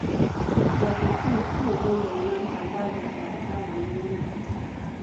Kifua kikuu si ugonjwa unaosambazwa sawasawa duniani kote